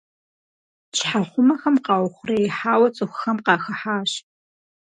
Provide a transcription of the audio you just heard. Щхьэхъумэхэм къаухъуреихьауэ цӏыхухэм къахыхьащ.